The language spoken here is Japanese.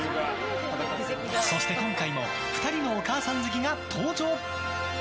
そして今回も２人のお母さん好きが登場。